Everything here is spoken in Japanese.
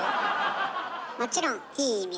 もちろんいい意味でね。